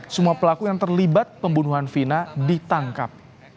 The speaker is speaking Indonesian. semua pelaku yang terlibat pembunuhan vina ditangkap